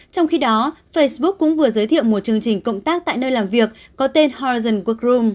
trong khi đó facebook cũng vừa giới thiệu một chương trình cộng tác tại nơi làm việc có tên horizon workroom